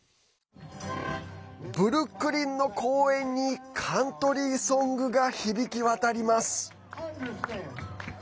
ブルックリンの公園にカントリーソングが響き渡ります。